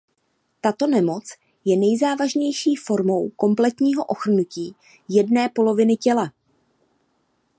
Tato nemoc je nejzávažnější formou kompletního ochrnutí jedné poloviny těla.